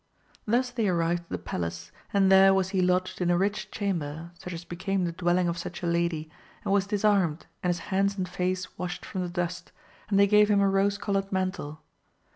Thus they arrived at the palace, and there was he lodged in a rich chamber, such as became the dwelling of such a lady, and was disarmed, and his hands and face washed from the dust, and they gave him a rose coloured mantle.